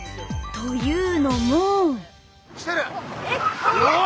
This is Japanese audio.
というのもお！